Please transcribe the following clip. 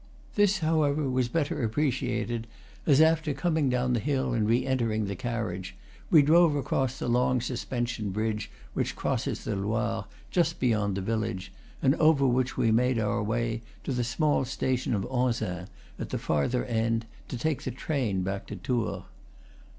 This, however, was better appreciated as, after coming down the hill and re entering the carriage, we drove across the long sus pension bridge which crosses the Loire just beyond the village, and over which we made our way to the small station of Onzain, at the farther end, to take the train back to Tours.